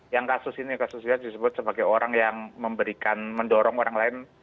yang kasus ini kasusnya disebut sebagai orang yang memberikan mendorong orang lain